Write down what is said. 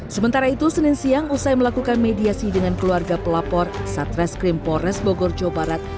sementara itu senin siang usai melakukan mediasi dengan keluarga pelapor satreskrim polres bogor jawa barat